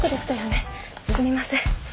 すみません